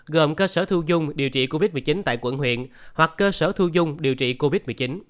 gồm cơ sở thu dung điều trị covid một mươi chín tại quận huyện hoặc cơ sở thu dung điều trị covid